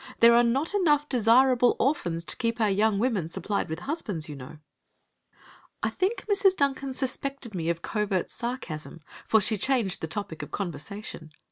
There are not enough desirable orphans to keep our young women supplied with husbands, you know." I think Mrs. Duncan suspected me of covert sarcasm, for she changed the topic of conversation.